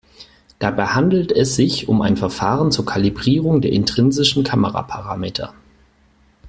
Dabei handelt es sich um ein Verfahren zur Kalibrierung der intrinsischen Kameraparameter.